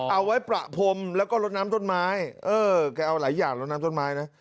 เอาไว้ประพรมแล้วก็ลดน้ำต้นไม้เออแกเอาหลายอย่างลดน้ำต้นไม้นะ